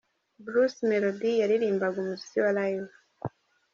Bruce Melodie yaririmbaga umuziki wa Live.